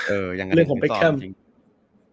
อือยังยังกว่าหนังสือสอบ